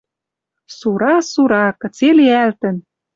Сура, Сура! Кыце лиӓлтӹн —